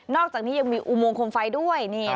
อกจากนี้ยังมีอุโมงคมไฟด้วย